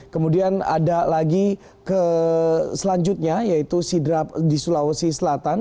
kemudian ada lagi selanjutnya yaitu sidrap di sulawesi selatan